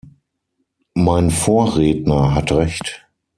Mein Vorredner hat Recht.